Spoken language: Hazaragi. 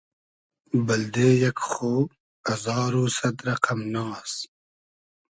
بئلدې یئگ خۉ ازار و سئد رئقئم ناز